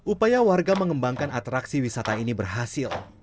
upaya warga mengembangkan atraksi wisata ini berhasil